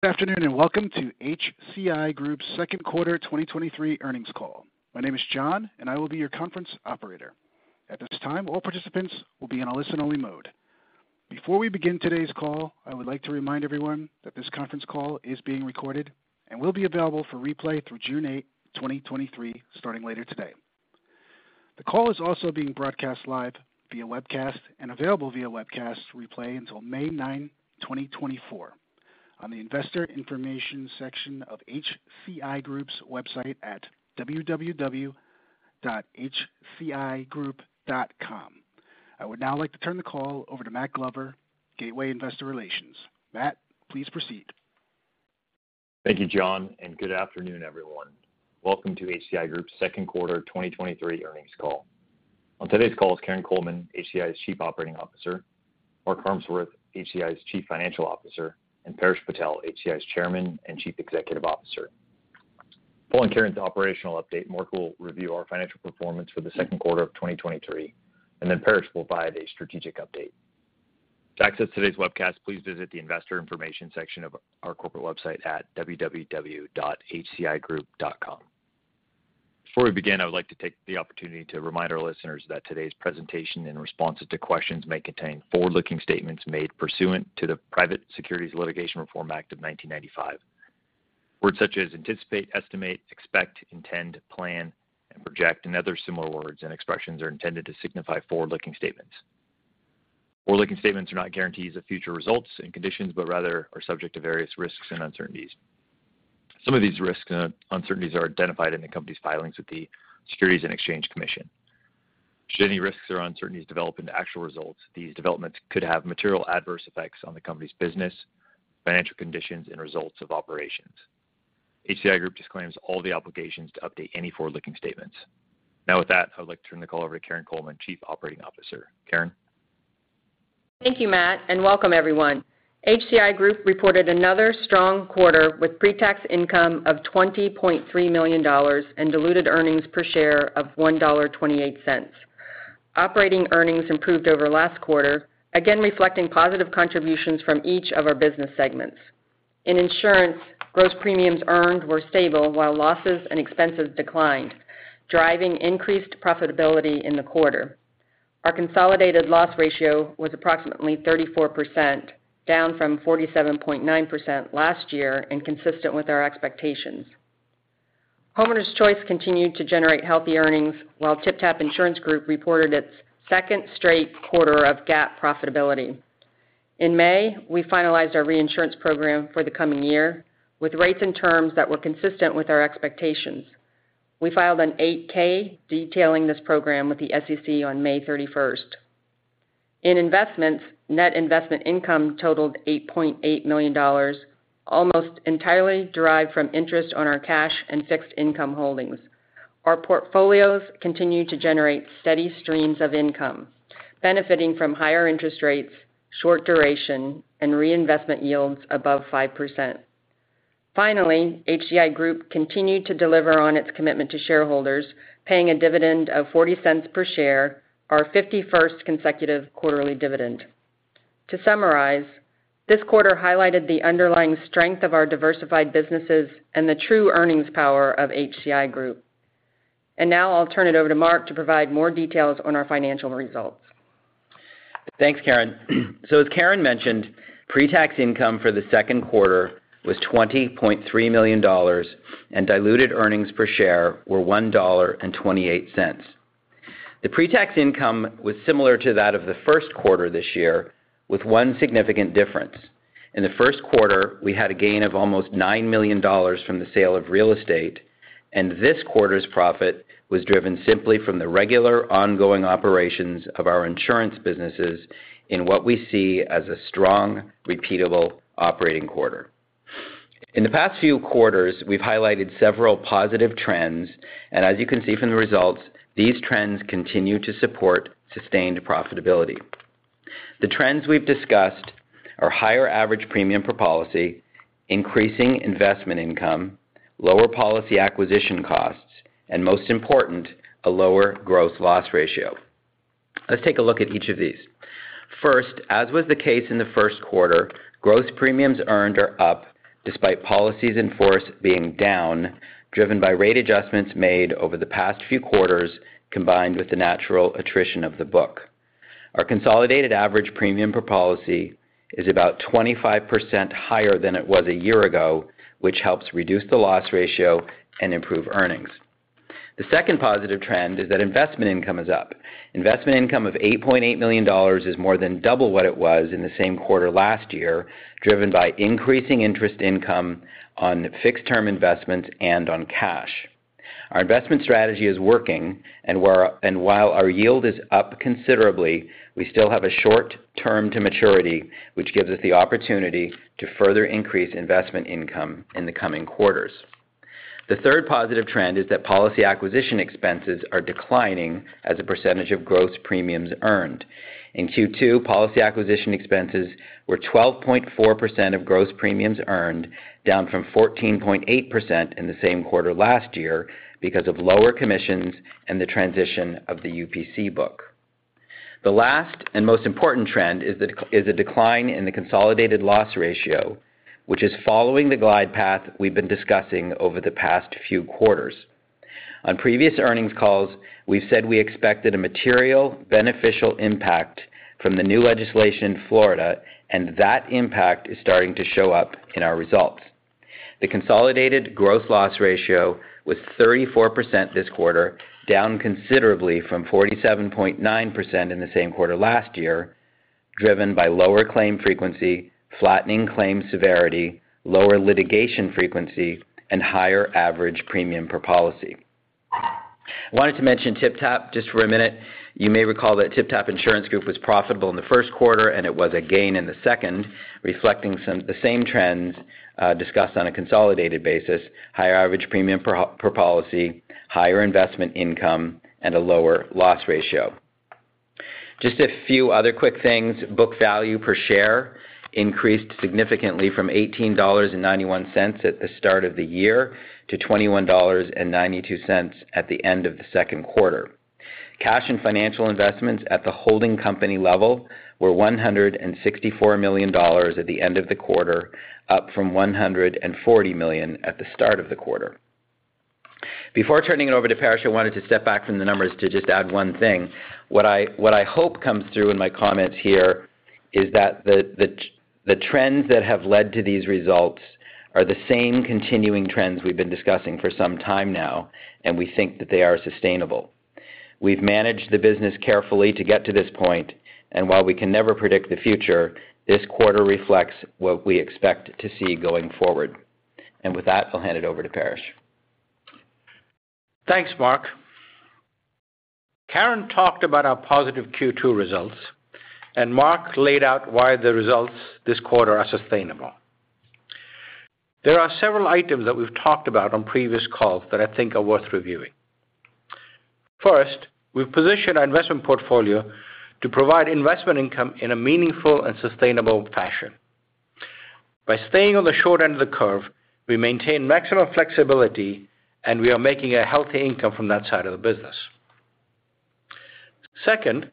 Good afternoon, welcome to HCI Group's second quarter 2023 earnings call. My name is John, and I will be your conference operator. At this time, all participants will be in a listen-only mode. Before we begin today's call, I would like to remind everyone that this conference call is being recorded and will be available for replay through June 8th, 2023, starting later today. The call is also being broadcast live via webcast and available via webcast replay until May 9, 2024, on the Investor Information section of HCI Group's website at www.hcigroup.com. I would now like to turn the call over to Matt Glover, Gateway Investor Relations. Matt, please proceed. Thank you, John. Good afternoon, everyone. Welcome to HCI Group's second quarter 2023 earnings call. On today's call is Karin Coleman, HCI's Chief Operating Officer, Mark Harmsworth, HCI's Chief Financial Officer, and Paresh Patel, HCI's Chairman and Chief Executive Officer. Following Karin's operational update, Mark will review our financial performance for the second quarter of 2023, and then Paresh will provide a strategic update. To access today's webcast, please visit the Investor Information section of our corporate website at www.hcigroup.com. Before we begin, I would like to take the opportunity to remind our listeners that today's presentation and responses to questions may contain forward-looking statements made pursuant to the Private Securities Litigation Reform Act of 1995. Words such as anticipate, estimate, expect, intend, plan, and project, and other similar words and expressions are intended to signify forward-looking statements. Forward-looking statements are not guarantees of future results and conditions, but rather are subject to various risks and uncertainties. Some of these risks and uncertainties are identified in the company's filings with the Securities and Exchange Commission. Should any risks or uncertainties develop into actual results, these developments could have material adverse effects on the company's business, financial conditions, and results of operations. HCI Group disclaims all the obligations to update any forward-looking statements. Now, with that, I'd like to turn the call over to Karin Coleman, Chief Operating Officer. Karin? Thank you, Matt, and welcome everyone. HCI Group reported another strong quarter, with pretax income of $20.3 million and diluted earnings per share of $1.28. Operating earnings improved over last quarter, again reflecting positive contributions from each of our business segments. In insurance, gross premiums earned were stable, while losses and expenses declined, driving increased profitability in the quarter. Our consolidated loss ratio was approximately 34%, down from 47.9% last year, and consistent with our expectations. Homeowners Choice continued to generate healthy earnings, while TypTap Insurance Group reported its second straight quarter of GAAP profitability. In May, we finalized our reinsurance program for the coming year, with rates and terms that were consistent with our expectations. We filed an 8-K detailing this program with the SEC on May 31st. In investments, net investment income totaled $8.8 million, almost entirely derived from interest on our cash and fixed income holdings. Our portfolios continue to generate steady streams of income, benefiting from higher interest rates, short duration, and reinvestment yields above 5%. Finally, HCI Group continued to deliver on its commitment to shareholders, paying a dividend of $0.40 per share, our 51st consecutive quarterly dividend. To summarize, this quarter highlighted the underlying strength of our diversified businesses and the true earnings power of HCI Group. Now I'll turn it over to Mark to provide more details on our financial results. Thanks, Karin. As Karin mentioned, pretax income for the second quarter was $20.3 million, and diluted earnings per share were $1.28. The pretax income was similar to that of the first quarter this year, with one significant difference. In the first quarter, we had a gain of almost $9 million from the sale of real estate, this quarter's profit was driven simply from the regular ongoing operations of our insurance businesses in what we see as a strong, repeatable operating quarter. In the past few quarters, we've highlighted several positive trends, as you can see from the results, these trends continue to support sustained profitability. The trends we've discussed are higher average premium per policy, increasing investment income, lower policy acquisition costs, and most important, a lower gross loss ratio. Let's take a look at each of these. First, as was the case in the first quarter, gross premiums earned are up despite policies in force being down, driven by rate adjustments made over the past few quarters, combined with the natural attrition of the book. Our consolidated average premium per policy is about 25% higher than it was a year ago, which helps reduce the loss ratio and improve earnings. The second positive trend is that investment income is up. Investment income of $8.8 million is more than double what it was in the same quarter last year, driven by increasing interest income on fixed-term investments and on cash. Our investment strategy is working, and while our yield is up considerably, we still have a short term to maturity, which gives us the opportunity to further increase investment income in the coming quarters. The third positive trend is that policy acquisition expenses are declining as a percentage of gross premiums earned. In Q2, policy acquisition expenses were 12.4% of gross premiums earned, down from 14.8% in the same quarter last year because of lower commissions and the transition of the UPC book. The last and most important trend is a decline in the consolidated loss ratio, which is following the glide path we've been discussing over the past few quarters. On previous earnings calls, we've said we expected a material, beneficial impact from the new legislation in Florida, that impact is starting to show up in our results. The consolidated growth loss ratio was 34% this quarter, down considerably from 47.9% in the same quarter last year, driven by lower claim frequency, flattening claim severity, lower litigation frequency, and higher average premium per policy. I wanted to mention TypTap just for a minute. You may recall that TypTap Insurance Group was profitable in the first quarter, and it was again in the second, reflecting some the same trends discussed on a consolidated basis, higher average premium per, per policy, higher investment income, and a lower loss ratio. Just a few other quick things. Book value per share increased significantly from $18.91 at the start of the year to $21.92 at the end of the second quarter. Cash and financial investments at the holding company level were $164 million at the end of the quarter, up from $140 million at the start of the quarter. Before turning it over to Paresh, I wanted to step back from the numbers to just add one thing. What I hope comes through in my comments here is that the trends that have led to these results are the same continuing trends we've been discussing for some time now. We think that they are sustainable. We've managed the business carefully to get to this point. While we can never predict the future, this quarter reflects what we expect to see going forward. With that, I'll hand it over to Paresh. Thanks, Mark. Karen talked about our positive Q2 results, and Mark laid out why the results this quarter are sustainable. There are several items that we've talked about on previous calls that I think are worth reviewing. First, we've positioned our investment portfolio to provide investment income in a meaningful and sustainable fashion. By staying on the short end of the curve, we maintain maximum flexibility, and we are making a healthy income from that side of the business. Second,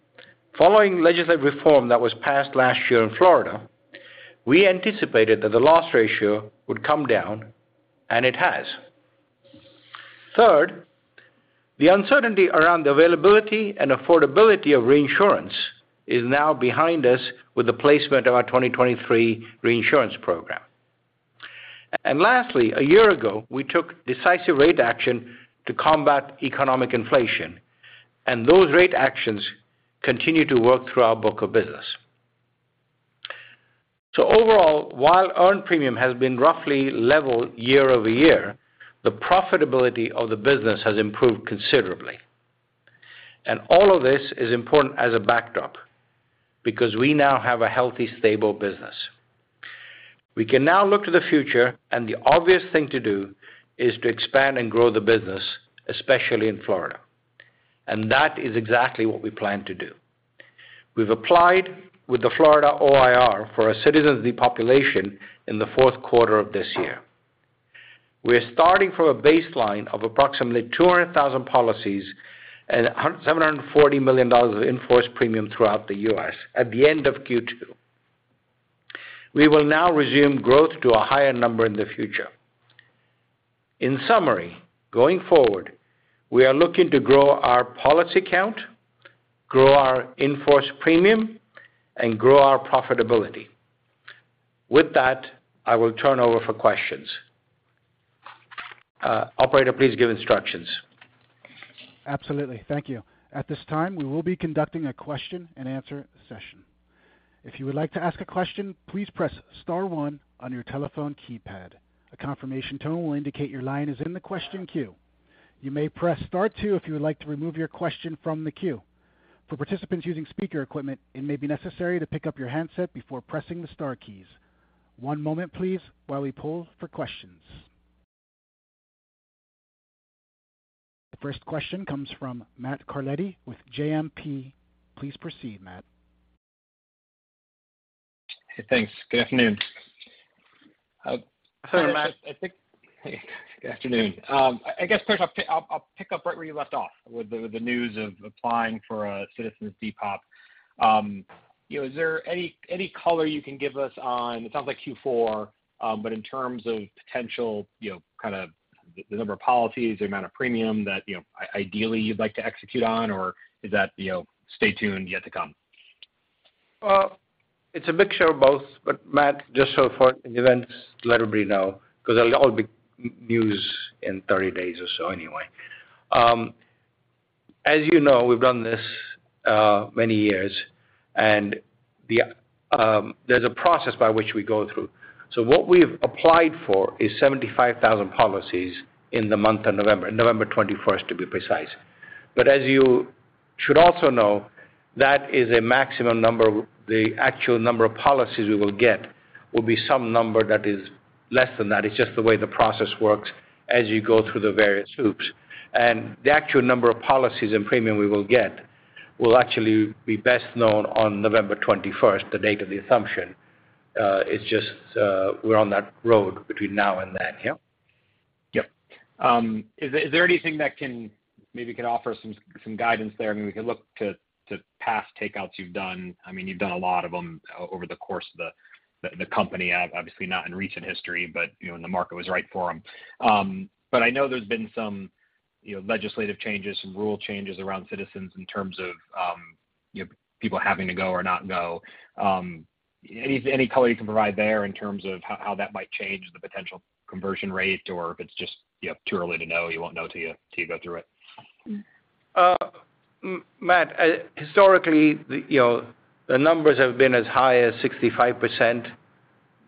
following legislative reform that was passed last year in Florida, we anticipated that the loss ratio would come down, and it has. Third, the uncertainty around the availability and affordability of reinsurance is now behind us with the placement of our 2023 reinsurance program. Lastly, a year ago, we took decisive rate action to combat economic inflation. Those rate actions continue to work through our book of business. Overall, while earned premium has been roughly level year-over-year, the profitability of the business has improved considerably. All of this is important as a backdrop because we now have a healthy, stable business. We can now look to the future, the obvious thing to do is to expand and grow the business, especially in Florida. That is exactly what we plan to do. We've applied with the Florida OIR for a Citizens depopulation in the fourth quarter of this year. We are starting from a baseline of approximately 200,000 policies and $740 million of in-force premium throughout the US at the end of Q2. We will now resume growth to a higher number in the future. In summary, going forward, we are looking to grow our policy count, grow our in-force premium, and grow our profitability. With that, I will turn over for questions. Operator, please give instructions. Absolutely. Thank you. At this time, we will be conducting a question-and-answer session. If you would like to ask a question, please press star one on your telephone keypad. A confirmation tone will indicate your line is in the question queue. You may press star two if you would like to remove your question from the queue. For participants using speaker equipment, it may be necessary to pick up your handset before pressing the star keys. One moment, please, while we pull for questions. The first question comes from Matt Carletti with JMP. Please proceed, Matt. Hey, thanks. Good afternoon. Hello, Matt. Hey, good afternoon. I guess first I'll pick up right where you left off with the, the news of applying for a Citizens depop. You know, is there any, any color you can give us on, it sounds like Q4, but in terms of potential, you know, kind of the number of policies, the amount of premium that, you know, ideally you'd like to execute on, or is that, you know, stay tuned, yet to come? Well, it's a mixture of both, Matt, just so for events, let everybody know, because it'll all be news in 30 days or so anyway. As you know, we've done this, many years, and the, there's a process by which we go through. What we've applied for is 75,000 policies in the month of November, November 21st, to be precise. As you should also know, that is a maximum number. The actual number of policies we will get will be some number that is less than that. It's just the way the process works as you go through the various hoops. The actual number of policies and premium we will get will actually be best known on November 21st, the date of the assumption. It's just, we're on that road between now and then. Yeah? Yep. Is there anything that can, maybe could offer some guidance there? I mean, we could look to past takeouts you've done. I mean, you've done a lot of them over the course of the company. Obviously, not in recent history, but, you know, when the market was right for them. I know there's been some, you know, legislative changes and rule changes around Citizens in terms of, you know, people having to go or not go. Any color you can provide there in terms of how that might change the potential conversion rate, or if it's just, you know, too early to know, you won't know till you, till you go through it? Historically, the, you know, the numbers have been as high as 65%,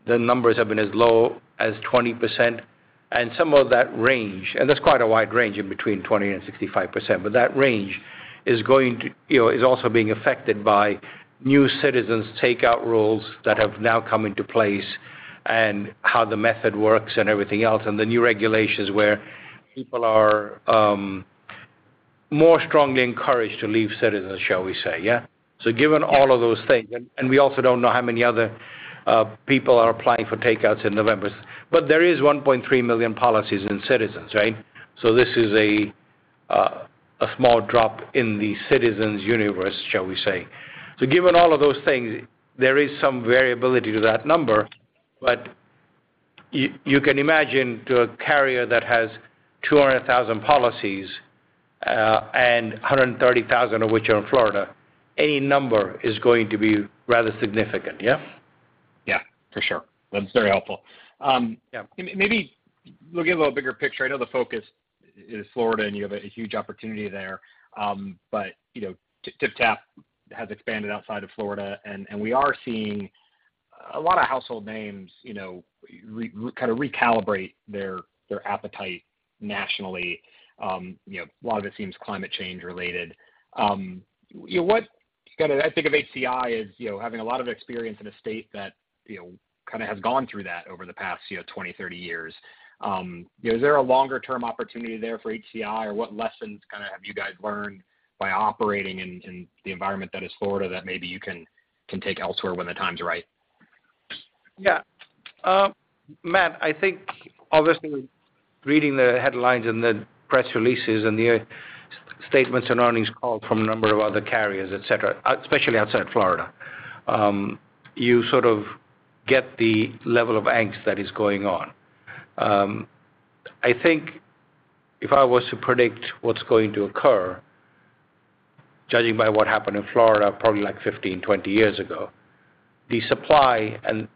the numbers have been as low as 20%, and some of that range, and that's quite a wide range in between 20% and 65%. That range is going to, you know, is also being affected by new Citizens' takeout rules that have now come into place and how the method works and everything else, and the new regulations where people are more strongly encouraged to leave Citizens, shall we say, yeah. Given all of those things, and, and we also don't know how many other people are applying for takeouts in November. There is 1.3 million policies in Citizens, right. This is a small drop in the Citizens universe, shall we say. given all of those things, there is some variability to that number, but you can imagine to a carrier that has 200,000 policies, and 130,000 of which are in Florida, any number is going to be rather significant. Yeah? Yeah, for sure. That's very helpful. Yeah, maybe looking at a little bigger picture, I know the focus is Florida. You have a huge opportunity there. You know, TypTap has expanded outside of Florida, and we are seeing a lot of household names, you know, kind of recalibrate their appetite nationally. You know, a lot of it seems climate change related. You know what, kind of I think of HCI as, you know, having a lot of experience in a state that, you know, kind of has gone through that over the past, you know, 20, 30 years. You know, is there a longer-term opportunity there for HCI? What lessons kind of have you guys learned by operating in the environment that is Florida that maybe you can take elsewhere when the time's right? Yeah. Matt, I think obviously, reading the headlines and the press releases and the statements and earnings call from a number of other carriers, et cetera, especially outside Florida, you sort of get the level of angst that is going on. I think if I was to predict what's going to occur, judging by what happened in Florida, probably like 15, 20 years ago, the supply and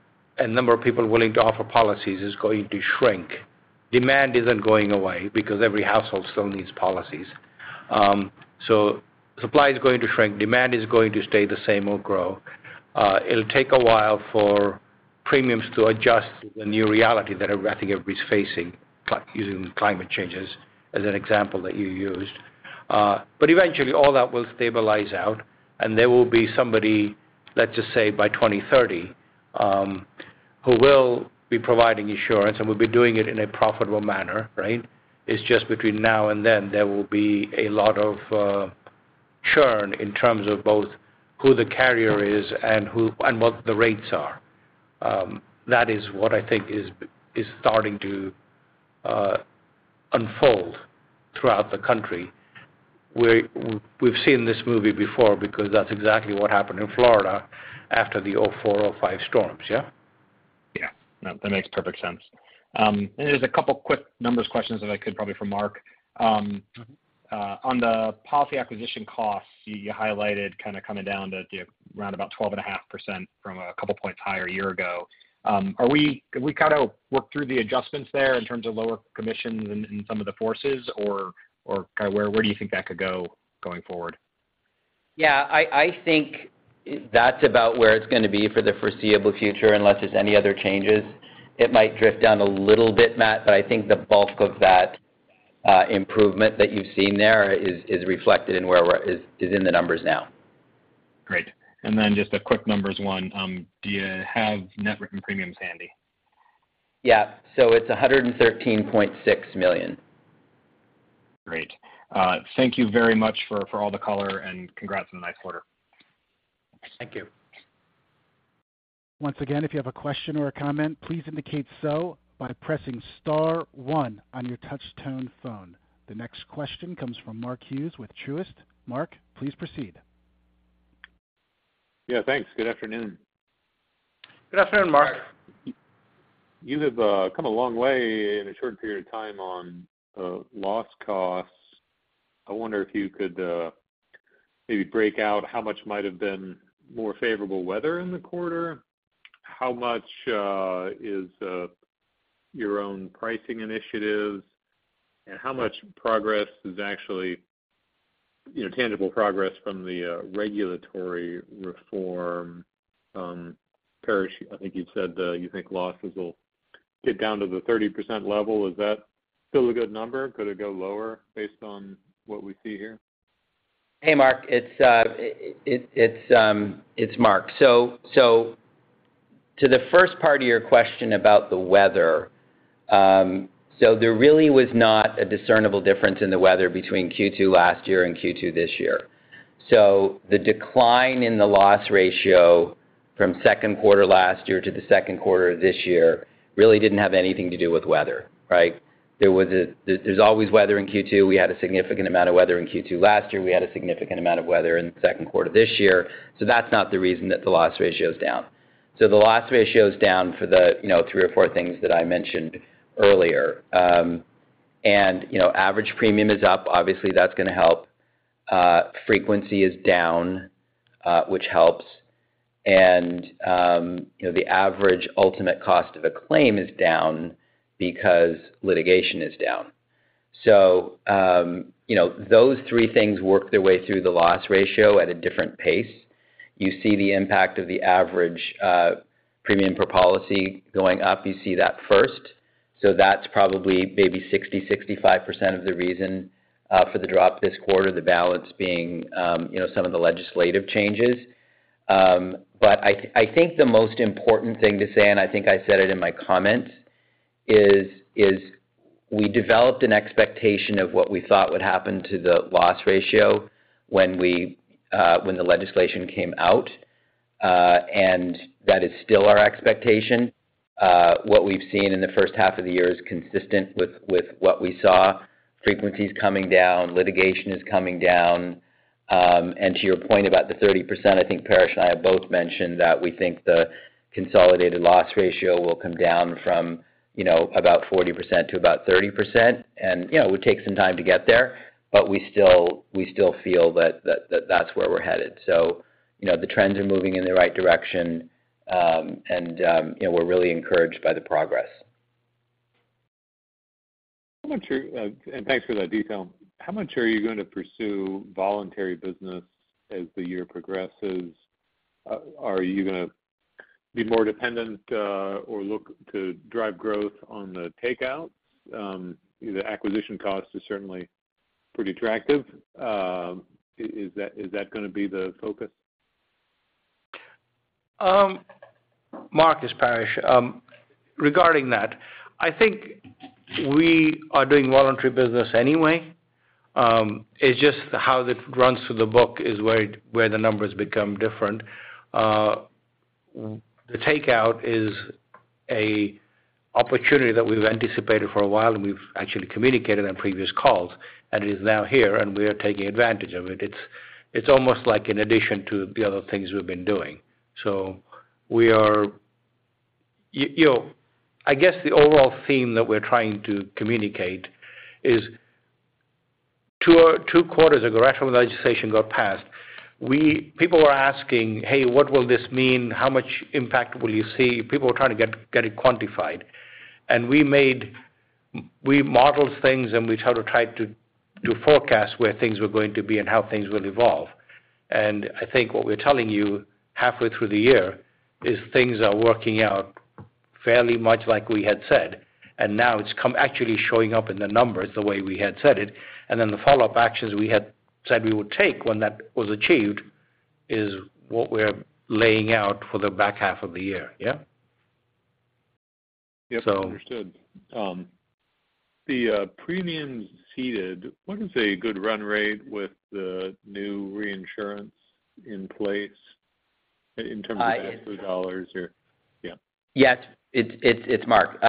number of people willing to offer policies is going to shrink. Demand isn't going away because every household still needs policies. Supply is going to shrink. Demand is going to stay the same or grow. It'll take a while for premiums to adjust to the new reality that I think everybody's facing, using climate changes as an example that you used. Eventually, all that will stabilize out, and there will be somebody, let's just say, by 2030, who will be providing insurance and will be doing it in a profitable manner, right? It's just between now and then, there will be a lot of churn in terms of both who the carrier is and what the rates are. That is what I think is, is starting to unfold throughout the country, where we've seen this movie before, because that's exactly what happened in Florida after the 2004, 2005 storms. Yeah? Yeah, no, that makes perfect sense. There's a couple quick numbers questions that I could probably for Mark. Mm-hmm. On the policy acquisition costs, you, you highlighted kind of coming down to, you know, around about 12.5% from 2 points higher a year ago. Can we kind of work through the adjustments there in terms of lower commissions in, in some of the forces or, or kind of where, where do you think that could go going forward? Yeah, I, I think that's about where it's going to be for the foreseeable future, unless there's any other changes. It might drift down a little bit, Matt, but I think the bulk of that improvement that you've seen there is reflected in the numbers now. Great. Then just a quick numbers one. Do you have net written premiums handy? Yeah. It's $113.6 million. Great. Thank you very much for, for all the color, and congrats on the nice quarter. Thank you. Once again, if you have a question or a comment, please indicate so by pressing star one on your touch tone phone. The next question comes from Mark Hughes with Truist. Mark, please proceed. Yeah, thanks. Good afternoon. Good afternoon, Mark. You have come a long way in a short period of time on loss costs. I wonder if you could maybe break out how much might have been more favorable weather in the quarter? How much is your own pricing initiatives? How much progress is actually, you know, tangible progress from the regulatory reform, Paresh? I think you've said you think losses will get down to the 30% level. Is that still a good number? Could it go lower based on what we see here? Hey, Mark, it's Mark. To the first part of your question about the weather, so there really was not a discernible difference in the weather between Q2 last year and Q2 this year. The decline in the loss ratio from second quarter last year to the second quarter of this year, really didn't have anything to do with weather, right? There's, there's always weather in Q2. We had a significant amount of weather in Q2 last year. We had a significant amount of weather in the second quarter this year. That's not the reason that the loss ratio is down. The loss ratio is down for the, you know, three or four things that I mentioned earlier. You know, average premium is up. Obviously, that's going to help. Frequency is down, which helps. You know, the average ultimate cost of a claim is down because litigation is down. You know, those three things work their way through the loss ratio at a different pace. You see the impact of the average premium per policy going up. You see that first. That's probably maybe 60%-65% of the reason for the drop this quarter, the balance being, you know, some of the legislative changes. I, I think the most important thing to say, and I think I said it in my comments, is, is we developed an expectation of what we thought would happen to the loss ratio when we when the legislation came out, and that is still our expectation. What we've seen in the first half of the year is consistent with, with what we saw. Frequency is coming down, litigation is coming down. To your point about the 30%, I think Paresh and I have both mentioned that we think the consolidated loss ratio will come down from, you know, about 40% to about 30%. You know, it would take some time to get there, but we still, we still feel that, that, that's where we're headed. You know, the trends are moving in the right direction, and, you know, we're really encouraged by the progress. Thanks for that detail. How much are you going to pursue voluntary business as the year progresses? Are you gonna be more dependent or look to drive growth on the takeouts? The acquisition cost is certainly pretty attractive. Is that, is that gonna be the focus? Mark, it's Paresh. regarding that, I think we are doing voluntary business anyway. It's just how it runs through the book is where, where the numbers become different. The takeout is an opportunity that we've anticipated for a while, and we've actually communicated on previous calls, and it is now here, and we are taking advantage of it. It's almost like an addition to the other things we've been doing. We are... you know, I guess the overall theme that we're trying to communicate is, 2 quarters ago, right when the legislation got passed, people were asking: Hey, what will this mean? How much impact will you see? People were trying to get it quantified. We modeled things, and we tried to, to forecast where things were going to be and how things will evolve. I think what we're telling you halfway through the year is things are working out fairly much like we had said, and now it's come actually showing up in the numbers the way we had said it. The follow-up actions we had said we would take when that was achieved is what we're laying out for the back half of the year. Yeah? Yep, understood. The premiums ceded, what is a good run rate with the new reinsurance in place in terms of absolute dollars or? Yeah. Yes, it's Mark.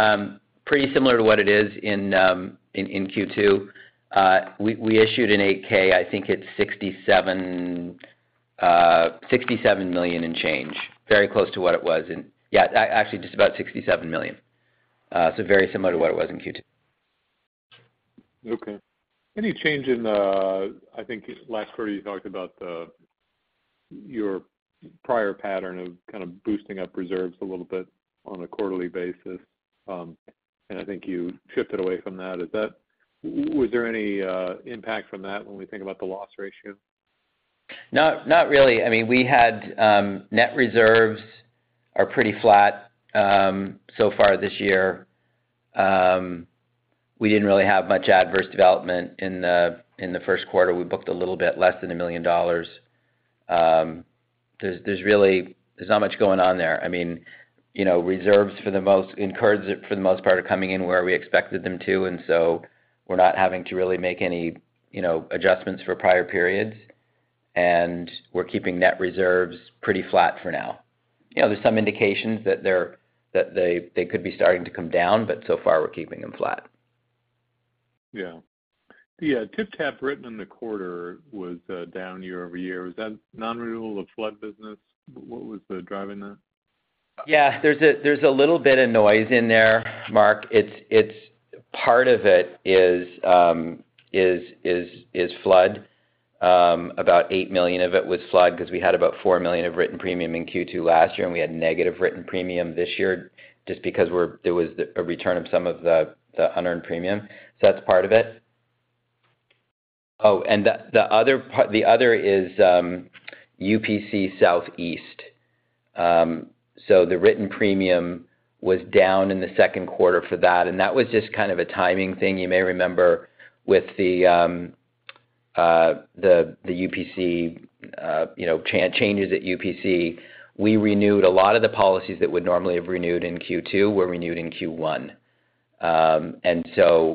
Pretty similar to what it is in Q2. We issued an 8-K, I think it's $67 million and change, very close to what it was in. Yeah, actually, just about $67 million. Very similar to what it was in Q2. Okay. Any change in the... I think last quarter, you talked about the, your prior pattern of kind of boosting up reserves a little bit on a quarterly basis, and I think you shifted away from that. Was there any impact from that when we think about the loss ratio? Not, not really. I mean, we had, net reserves are pretty flat, so far this year. We didn't really have much adverse development in the first quarter. We booked a little bit less than $1 million. There's not much going on there. I mean, you know, reserves for the most part, are coming in where we expected them to, and so we're not having to really make any, you know, adjustments for prior periods, and we're keeping net reserves pretty flat for now. You know, there's some indications that they're that they could be starting to come down, but so far, we're keeping them flat. Yeah. The TypTap written in the quarter was down year-over-year. Was that non-renewal of flood business? What was driving that? Yeah, there's a little bit of noise in there, Mark. It's part of it is flood. About $8 million of it was flood because we had about $4 million of written premium in Q2 last year. We had negative written premium this year just because there was a return of some of the unearned premium. That's part of it. The other is UPC Southeast. The written premium was down in the second quarter for that, and that was just kind of a timing thing. You may remember with the UPC, you know, changes at UPC, we renewed a lot of the policies that would normally have renewed in Q2, were renewed in Q1.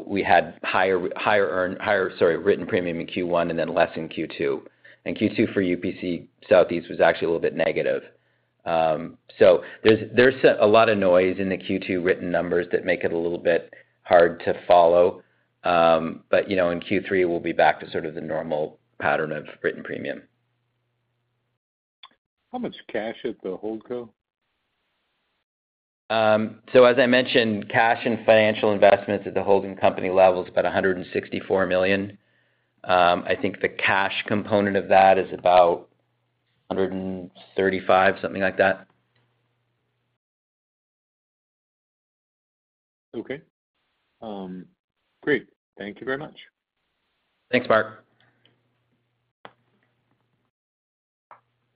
We had higher, higher earn, higher, sorry, written premium in Q1 and then less in Q2. Q2 for UPC Southeast was actually a little bit negative. There's, there's a lot of noise in the Q2 written numbers that make it a little bit hard to follow. You know, in Q3, we'll be back to sort of the normal pattern of written premium. How much cash at the HoldCo? As I mentioned, cash and financial investments at the holding company level is about $164 million. I think the cash component of that is about $135 million, something like that. Okay. great. Thank you very much. Thanks, Mark.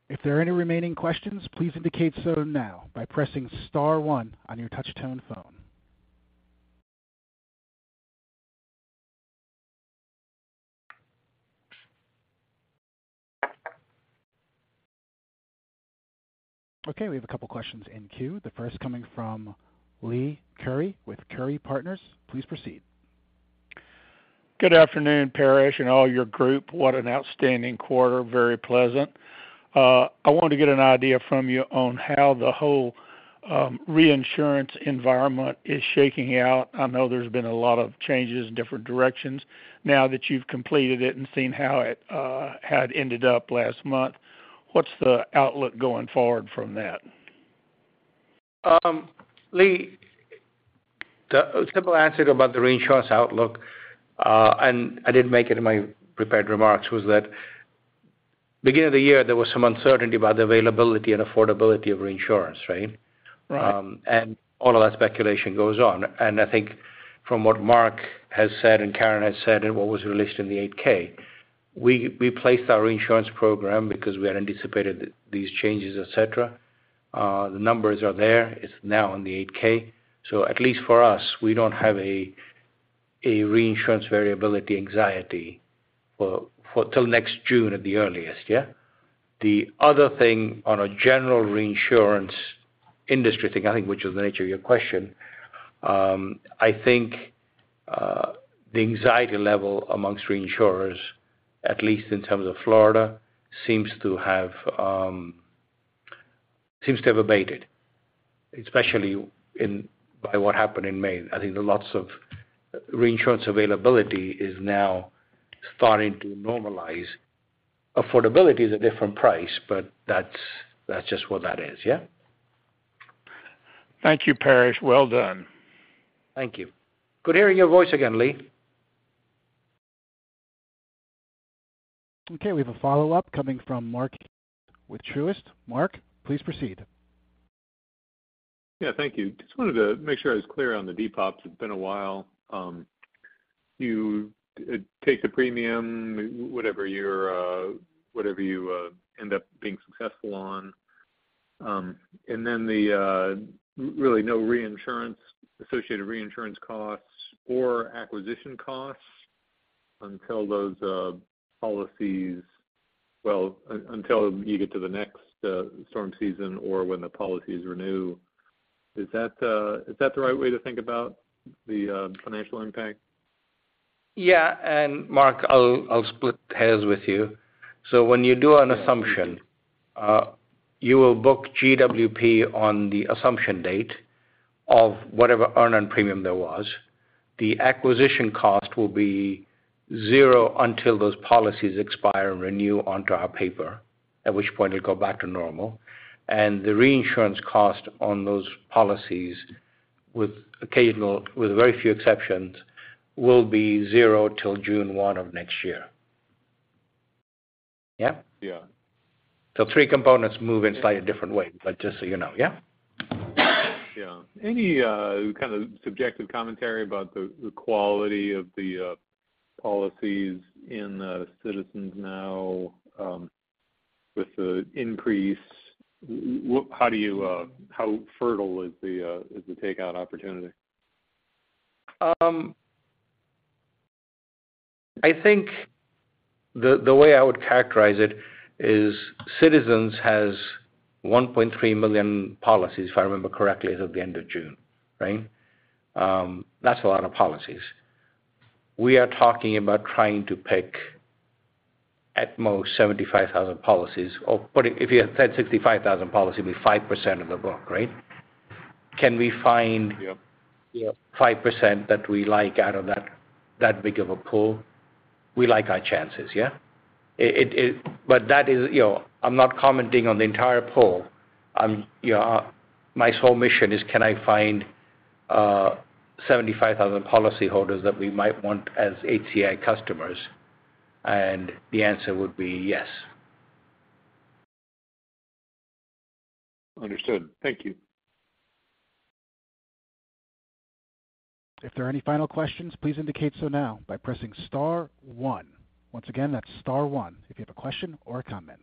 If there are any remaining questions, please indicate so now by pressing star one on your touch tone phone. Okay, we have a couple of questions in queue. The first coming from Lee Curry with Curry Partners. Please proceed. Good afternoon, Paresh, and all your group. What an outstanding quarter. Very pleasant. I want to get an idea from you on how the whole, reinsurance environment is shaking out. I know there's been a lot of changes in different directions. Now that you've completed it and seen how it, had ended up last month, what's the outlook going forward from that? Lee, the simple answer about the reinsurance outlook, and I didn't make it in my prepared remarks, was that beginning of the year, there was some uncertainty about the availability and affordability of reinsurance, right? Right. All of that speculation goes on. I think from what Mark Harmsworth has said, and Karin Coleman has said, and what was released in the 8-K, we, we placed our reinsurance program because we had anticipated these changes, et cetera. The numbers are there. It's now in the 8-K. At least for us, we don't have a, a reinsurance variability anxiety for, for till next June at the earliest. Yeah. The other thing on a general reinsurance industry thing, I think, which is the nature of your question, I think, the anxiety level amongst reinsurers, at least in terms of Florida, seems to have, seems to have abated, especially in by what happened in Maine. I think there are lots of reinsurance availability is now starting to normalize. Affordability is a different price, but that's, that's just what that is. Yeah? Thank you, Paresh. Well done. Thank you. Good hearing your voice again, Lee. Okay, we have a follow-up coming from Mark with Truist. Mark, please proceed. Yeah, thank you. Just wanted to make sure I was clear on the depops. It's been a while. You take the premium, whatever your, whatever you end up being successful on, and then the really no reinsurance, associated reinsurance costs or acquisition costs until those policies. Well, until you get to the next storm season or when the policies renew. Is that, is that the right way to think about the financial impact? Yeah, Mark, I'll, I'll split hairs with you. When you do an assumption, you will book GWP on the assumption date of whatever earn and premium there was. The acquisition cost will be 0 until those policies expire and renew onto our paper, at which point it'll go back to normal. The reinsurance cost on those policies, with occasional, with very few exceptions, will be 0 till June 1 of next year. Yeah? Yeah. Three components move in slightly different ways, but just so you know. Yeah? Yeah. Any kind of subjective commentary about the quality of the policies in Citizens now, with the increase, how do you, how fertile is the takeout opportunity? I think the, the way I would characterize it is Citizens has 1.3 million policies, if I remember correctly, as of the end of June, right? That's a lot of policies. We are talking about trying to pick at most 75,000 policies, or putting if you had said 65,000 policies, be 5% of the book, right? Can we find. Yep. 5% that we like out of that, that big of a pool? We like our chances, yeah. That is, you know, I'm not commenting on the entire pool. I'm, you know, my sole mission is: Can I find 75,000 policyholders that we might want as HCI customers? The answer would be yes. Understood. Thank you. If there are any final questions, please indicate so now by pressing star one. Once again, that's star one if you have a question or a comment.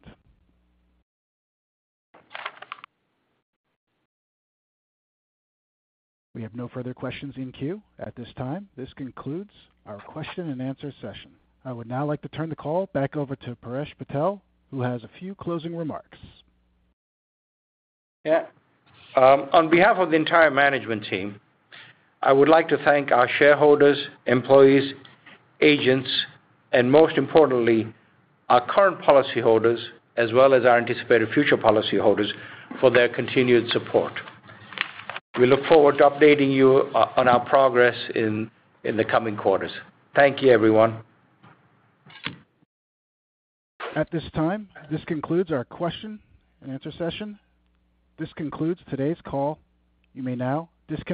We have no further questions in queue at this time. This concludes our question-and-answer session. I would now like to turn the call back over to Paresh Patel, who has a few closing remarks. Yeah. On behalf of the entire management team, I would like to thank our shareholders, employees, agents, and most importantly, our current policyholders, as well as our anticipated future policyholders, for their continued support. We look forward to updating you on our progress in the coming quarters. Thank you, everyone. At this time, this concludes our question-and-answer session. This concludes today's call. You may now disconnect.